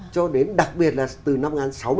cho đến đặc biệt là từ năm một nghìn chín trăm sáu mươi năm